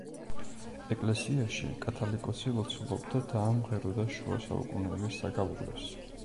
ეკლესიაში კათალიკოსი ლოცულობდა და მღეროდა შუა საუკუნეების საგალობლებს.